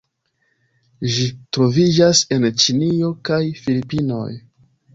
Ĝi troviĝas en Ĉinio kaj Filipinoj.